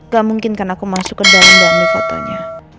gak mungkin kan aku masuk ke dalam dan ambil fotonya